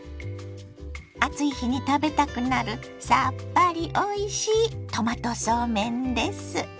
暑い日に食べたくなるさっぱりおいしいトマトそうめんです。